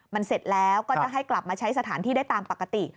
มันเสร็จแล้วก็จะให้กลับมาใช้สถานที่ได้ตามปกติ